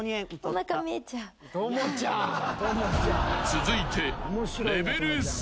［続いて］